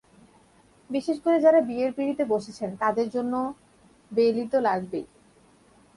বিশেষ করে যাঁরা বিয়ের পিঁড়িতে বসছেন, তাঁদের জন্য তো বেলি লাগবেই।